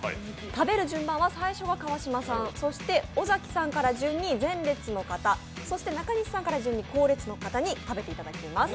食べる順番は最初は川島さん、そして尾崎さんから順に前列の方、そして中西から順に後列の方に食べていただきます。